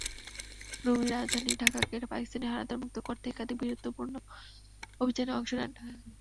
রুমী রাজধানী ঢাকাকে পাকিস্তানি হানাদারমুক্ত করতে একাধিক বীরত্বপূর্ণ অভিযানে অংশ নেন।